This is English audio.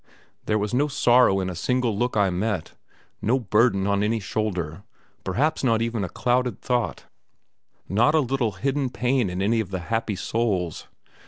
There was no sorrow in a single look I met, no burden on any shoulder, perhaps not even a clouded thought, not a little hidden pain in any of the happy souls.